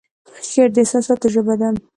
شعر د احساساتو ژبه ده